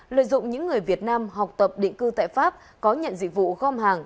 lợi dụng những người việt nam học tập định cư tại pháp có nhận dịch vụ gom hàng